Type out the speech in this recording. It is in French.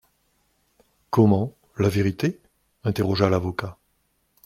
Comment, la vérité ? interrogea l'avocat.